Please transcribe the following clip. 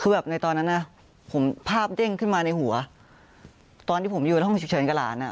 เอาอาหารต้อนเออดูในวิธีแรมวิธีเขาแหละ